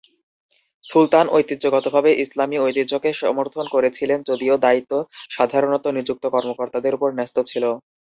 সুলতান ঐতিহ্যগতভাবে ইসলামী ঐতিহ্যকে সমর্থন করছিলেন, যদিও দায়িত্ব সাধারণত নিযুক্ত কর্মকর্তাদের উপর ন্যস্ত ছিল।